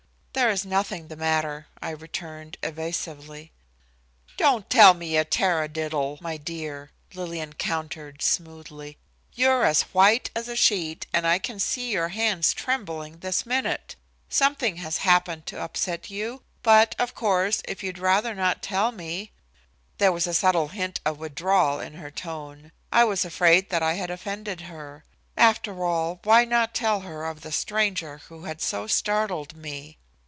"There is nothing the matter," I returned, evasively. "Don't tell me a tarradiddle, my dear," Lillian countered smoothly. "You're as white as a sheet, and I can see your hands trembling this minute. Something has happened to upset you. But, of course, if you'd rather not tell me " There was a subtle hint of withdrawal in her tone. I was afraid that I had offended her. After all, why not tell her of the stranger who had so startled me?